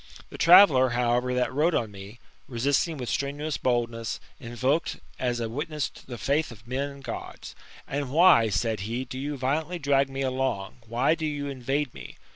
The traveller, however, that rode on me, resisting with strenuous boldness, invoked as a witness the faith of men and God. " And why," said he, " do you violently drag me along, why do you invade me?"